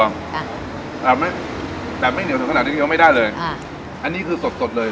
อ่ะแต่ไม่แต่ไม่เหนียวถึงขนาดนี้ก็ไม่ได้เลยอ่ะอันนี้คือสดสดเลย